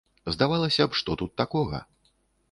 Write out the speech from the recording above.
Здавалася б, што тут такога?